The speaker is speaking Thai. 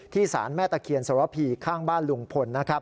ที่ศาลแม่ตะเคียนศเวอราบีข้างบ้านลุงพล